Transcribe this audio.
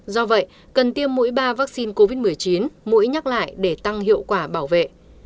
do vậy cần tiêm mũi ba vaccine covid một mươi chín mũi nhắc lại để tăng hiệu quả bảo vệ